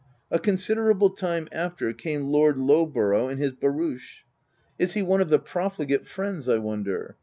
A con siderable time after, came Lord Lowborough in his barouche. Is he one of the profligate friends, I wonder